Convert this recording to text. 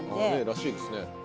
らしいですね。